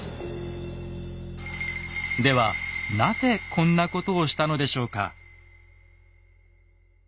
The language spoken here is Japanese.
ではなぜこんなことをしたのでしょうか？